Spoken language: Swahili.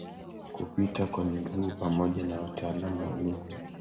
kupita kwa miguu pamoja na wataalamu wa lugha